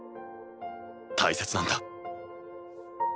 大切なんだ。